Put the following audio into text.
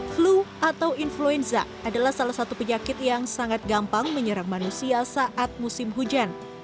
flu atau influenza adalah salah satu penyakit yang sangat gampang menyerang manusia saat musim hujan